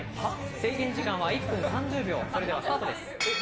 制限時間は１分３０秒、それではスタートです。